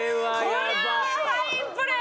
これはファインプレー。